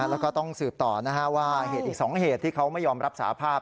แล้วก็ต้องสืบต่อว่าเหตุอีก๒เหตุที่เขาไม่ยอมรับสาภาพ